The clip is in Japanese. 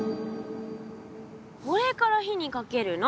これから火にかけるの。